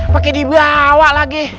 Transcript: pake dibawa lagi